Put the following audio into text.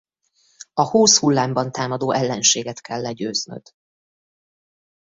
A húsz hullámban támadó ellenséget kell legyőznöd.